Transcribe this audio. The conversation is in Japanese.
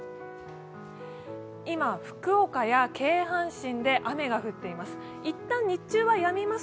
今、福岡や京阪神で雨が降っています。